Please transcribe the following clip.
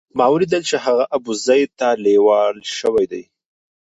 ما ولیدل چې هغه ابوزید ته لېوال شوی دی.